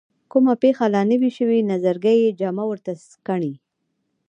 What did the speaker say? کومه پېښه لا نه وي شوې نظرګي یې جامه ورته سکڼي.